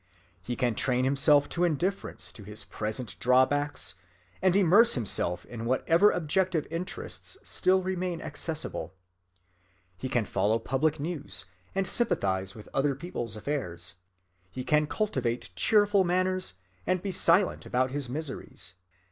He can train himself to indifference to his present drawbacks and immerse himself in whatever objective interests still remain accessible. He can follow public news, and sympathize with other people's affairs. He can cultivate cheerful manners, and be silent about his miseries.